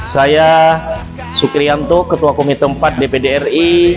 saya sukrianto ketua komisi empat dpr ri